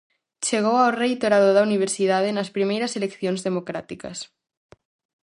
Chegou ao reitorado da Universidade nas primeiras eleccións democráticas.